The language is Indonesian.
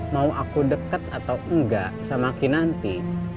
mau aku dekat atau enggak sama kinanti